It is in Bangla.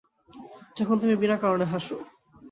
যখন তুমি বিনা কারনে হাসো।